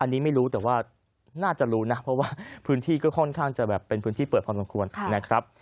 อันนี้ไม่รู้แต่ว่าน่าจะรู้นะเพราะว่าพื้นที่ก็ค่อนข้างจะแบบเป็นพื้นที่เปิดพอสมควรนะครับ